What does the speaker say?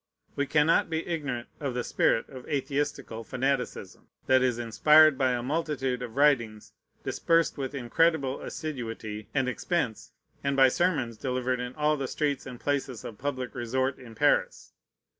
We cannot be ignorant of the spirit of atheistical fanaticism, that is inspired by a multitude of writings dispersed with incredible assiduity and expense, and by sermons delivered in all the streets and places of public resort in Paris.